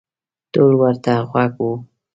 ټول ورته غوږ وو.